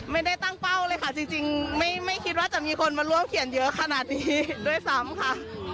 ไม่ได้ตั้งเป้าเลยค่ะจริงไม่คิดว่าจะมีคนมาร่วมเขียนเยอะขนาดนี้ด้วยซ้ำค่ะ